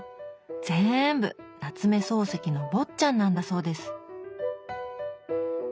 ぜんぶ夏目漱石の「坊っちゃん」なんだそうです。